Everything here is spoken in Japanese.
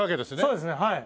そうですねはい。